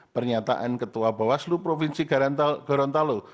pernyataan ketua bawaslu provinsi gorontalo